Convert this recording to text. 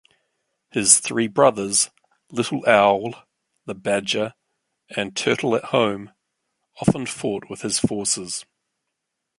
His three brothers, Little Owl, the Badger, and Turtle-at-Home, often fought with his forces.